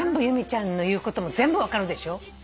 由美ちゃんの言うことも全部分かるでしょ？